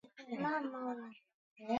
Wanyama pori ni hatari